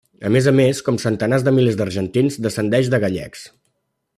A més a més, com centenars de milers d'argentins, descendeix de gallecs.